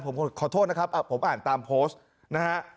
ผมขอโทษนะครับผมอ่านตามโพสต์นะฮะ